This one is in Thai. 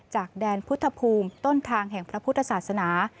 จากแดนพุทธภูมิต้นทางแห่งพระพุทธศาสนา